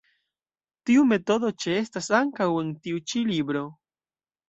Tiu metodo ĉeestas ankaŭ en tiu ĉi libro.